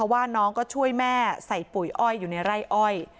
ว่าน้องก็ช่วยแม่ใส่ปุ๋ยอ้อยอยู่ในไร่อ้อย